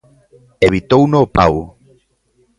Evitouno o pau.